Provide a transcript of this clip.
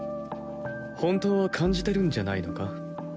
本当は感じてるんじゃないのか？